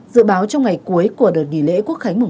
dự báo trong ngày cuối của đợt nghỉ lễ quốc khánh